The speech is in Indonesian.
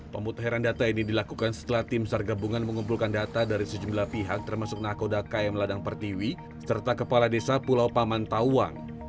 pemuteran data ini dilakukan setelah tim sargabungan mengumpulkan data dari sejumlah pihak termasuk nakoda km ladang pertiwi serta kepala desa pulau paman tawang